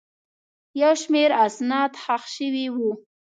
یو شمېر اسناد ښخ شوي وو.